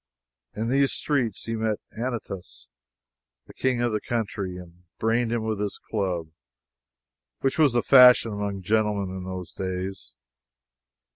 In these streets he met Anitus, the king of the country, and brained him with his club, which was the fashion among gentlemen in those days.